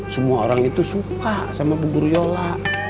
semua orang itu suka sama bu guru yola